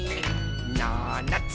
「ななつ